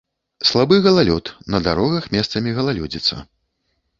Слабы галалёд, на дарогах месцамі галалёдзіца.